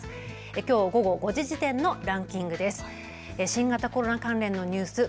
きょう午後５時時点のランキングです。